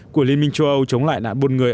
của liên minh châu âu chống lại nạn buôn người